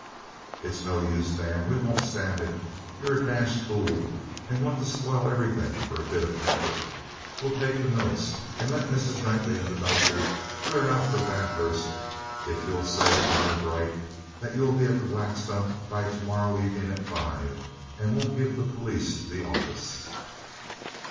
'It's no use, Dan, we won't stand it. You're a dashed fool and want to spoil everything for a bit of temper. We'll take the notes and let Mrs. Knightley and the doctor clear out for Bathurst if you'll say honour bright that you'll be at the Black Stump by to morrow evening at five, and won't give the police the office.'